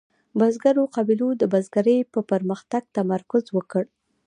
بزګرو قبیلو د بزګرۍ په پرمختګ تمرکز وکړ.